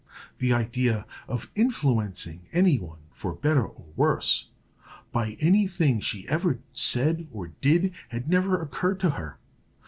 The idea of influencing any one, for better or worse, by any thing she ever said or did, had never occurred to her.